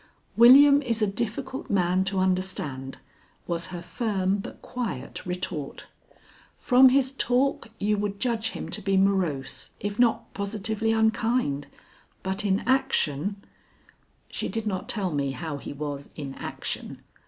"William is a difficult man to understand," was her firm but quiet retort. "From his talk you would judge him to be morose, if not positively unkind, but in action " She did not tell me how he was in action.